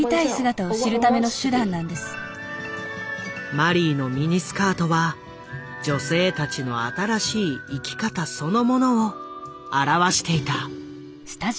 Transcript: マリーのミニスカートは女性たちの新しい生き方そのものを表していた。